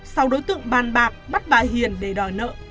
sau đối tượng bàn bạc bắt bà hiền để đòi nợ